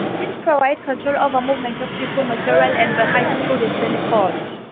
This provides control over movement of people, materials, and vehicles through the sally port.